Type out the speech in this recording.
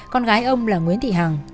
con gái ông là nguyễn thị hằng